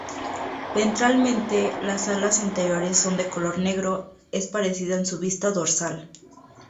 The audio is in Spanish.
Ventralmente las alas anteriores son de color negro es parecida en su vista dorsal.